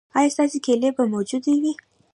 ایا ستاسو کیلي به موجوده وي؟